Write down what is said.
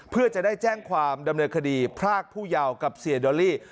เพื่อจะได้แจ้งความดำเนินคดีพรากผู้เยาว์กับเสียดอลลี่